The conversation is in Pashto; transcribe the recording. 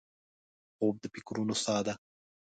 خوب د فکرونو سا ده